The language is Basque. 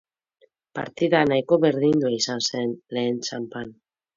Partida nahiko berdindua izan zen lehen txanpan.